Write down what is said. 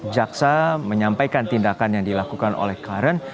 jaksa menyampaikan tindakan yang dilakukan oleh karen